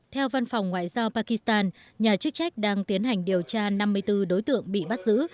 theo văn phòng ngoại giao pakistan nhà chức trách đang tiến hành điều tra năm mươi bốn đối tượng bị bắt giữ